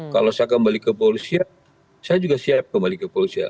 kalau saya kembali ke polisian saya juga siap kembali ke polisian